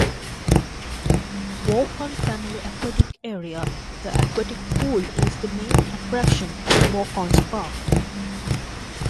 Waukon Family Aquatic Area: The aquatic pool is the main attraction in Waukon's park.